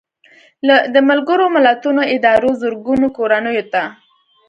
د ملګرو ملتونو ادارو زرګونو کورنیو ته